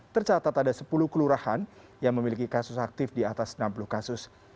tercatat ada sepuluh kelurahan yang memiliki kasus aktif di atas enam puluh kasus